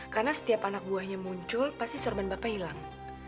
karena setiap anak buahnya muncul pasti sorban bapak hilang